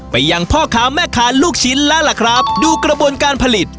ยังพ่อค้าแม่ค้าลูกชิ้นแล้วล่ะครับดูกระบวนการผลิต